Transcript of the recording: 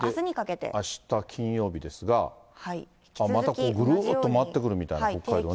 あした金曜日ですが、またここ、ぐるっと回ってくるみたいな、北海道ね。